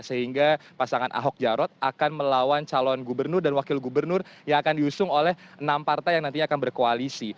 sehingga pasangan ahok jarot akan melawan calon gubernur dan wakil gubernur yang akan diusung oleh enam partai yang nantinya akan berkoalisi